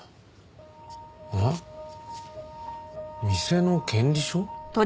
店の権利書？